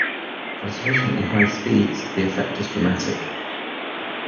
For sufficiently high speeds, the effect is dramatic.